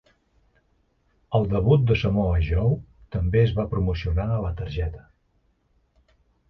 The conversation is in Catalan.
El debut de Samoa Joe també es va promocionar a la targeta.